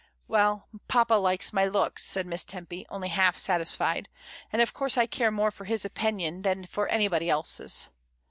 '* IN A GIG, 39 "Well, papa likes my looks," said Miss Tempy, only half satisfied, "and of course I care more for his opinion than for anybody else's."